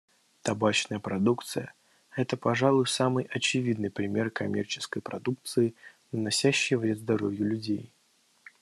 Табачная продукция — это, пожалуй, самый очевидный пример коммерческой продукции, наносящей вред здоровью людей.